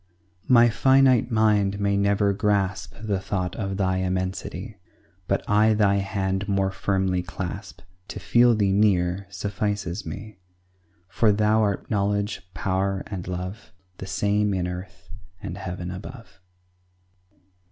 My finite mind may never grasp The thought of Thy immensity; But I Thy hand more firmly clasp To feel Thee near suffices me; For Thou art knowledge, power, and love, The same in earth and heaven above.